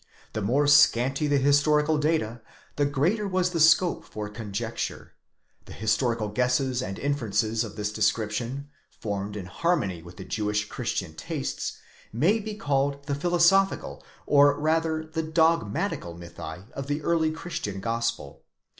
The more scanty the historical data, the greater was the scope for conjecture ,. and historical guesses and inferences of this description, formed in harmony with the Jewish Christian tastes, may be called the philosophical, or rather, the dogmatical mythi of, the 'early christian Gospel.